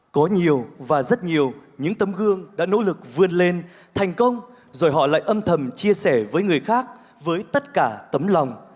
có nhiều và rất nhiều những tấm gương đã nỗ lực vươn lên thành công rồi họ lại âm thầm chia sẻ với người khác với tất cả tấm lòng